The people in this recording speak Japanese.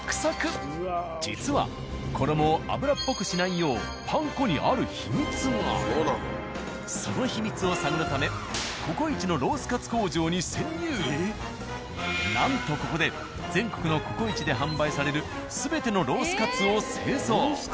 実は衣を油っぽくしないようその秘密を探るためなんとここで全国の「ココイチ」で販売される全てのロースカツを製造。